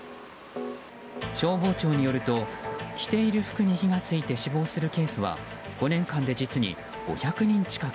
消防庁によると着ている服に火が付いて死亡するケースは５年間で実に５００人近く。